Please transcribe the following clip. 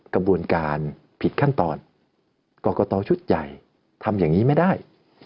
กระบวนการผิดขั้นตอนกรกตชุดใหญ่ทำอย่างนี้ไม่ได้